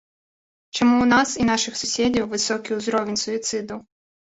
Чаму ў нас і нашых суседзяў высокі ўзровень суіцыдаў?